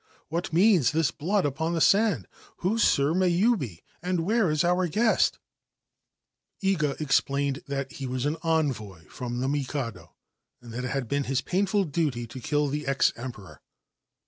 ' What means this blood on the sand ? Who, sir, may you be, and where is our est ?' Iga explained that he was an envoy from the Mikado, I that it had been his painful duty to kill the ex nperor.